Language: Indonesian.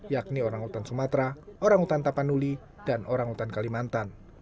yakni orangutan sumatera orangutan tapanuli dan orangutan kalimantan